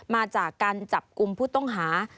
มาจากการจับกลุ่มผู้ต้องหา